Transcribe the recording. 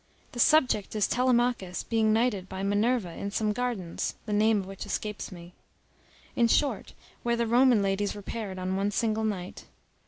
The subject is Telemachus being knighted by Minerva in some gardens, the name of which escapes me. In short, where the Roman ladies repaired on one single night.